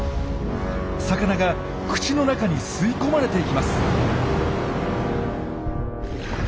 魚が口の中に吸い込まれていきます！